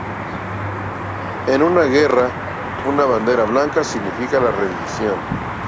En una guerra, una bandera blanca significa la rendición.